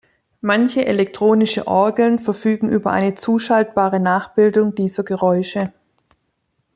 Manche elektronische Orgeln verfügen über eine zuschaltbare Nachbildung dieser Geräusche.